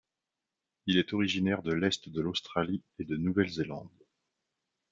Il est originaire de l'est de l'Australie et de Nouvelle-Zélande.